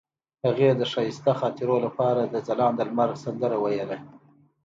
هغې د ښایسته خاطرو لپاره د ځلانده لمر سندره ویله.